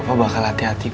opa bakal hati hati kope